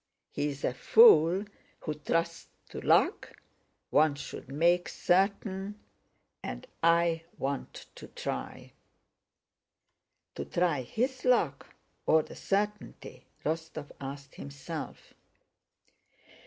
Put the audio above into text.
'He's a fool who trusts to luck, one should make certain,' and I want to try." "To try his luck or the certainty?" Rostóv asked himself.